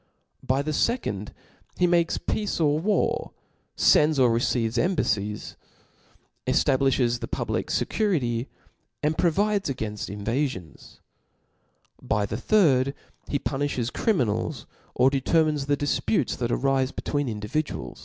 By the fecond, he makes pcitce or war, fends or re* cebes embailicS) efUbiiflies the pubHc fecurity, and provide againfl: inra£ons. By the thirds he pu« niihes oriminals, or deisermines thedifputes that arife between indmduak.